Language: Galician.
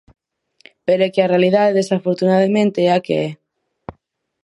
Pero é que a realidade, desafortunadamente, é a que é.